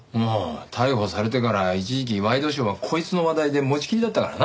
逮捕されてから一時期ワイドショーはこいつの話題で持ち切りだったからな。